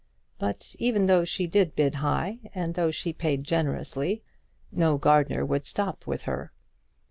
But even though she did bid high, and though she paid generously, no gardener would stop with her.